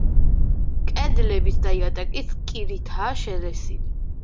კედლებიც და იატაკიც კირითაა შელესილი.